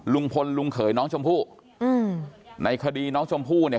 ลุงพลลุงเขยน้องชมพู่อืมในคดีน้องชมพู่เนี่ย